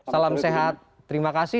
salam sehat terima kasih